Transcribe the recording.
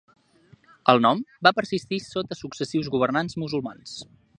El nom va persistir sota successius governants musulmans.